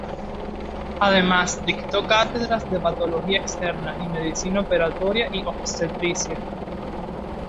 Además, dictó cátedras de Patología Externa y Medicina Operatoria y Obstetricia.